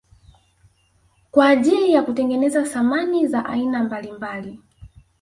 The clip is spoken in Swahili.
Kwa ajili ya kutengenezea samani za aina mbalimbali